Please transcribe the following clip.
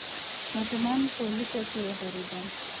ماشومان په لیکه کې ودرېدل.